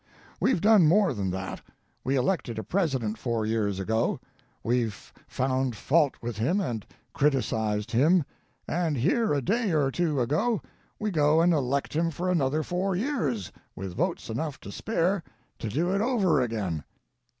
] "We've done more than that. We elected a President four years ago. We've found fault with him and criticized him, and here a day or two ago we go and elect him for another four years with votes enough to spare to do it over again.